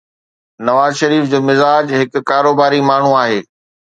نواز شريف جو مزاج هڪ ڪاروباري ماڻهو آهي.